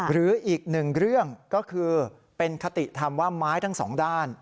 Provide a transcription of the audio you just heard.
หรืออีกหนึ่งเรื่องก็คือเป็นคติธรรมว่าไม้ทั้งสองด้าน